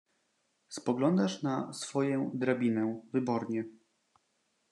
"spoglądasz na swoję drabinę... wybornie."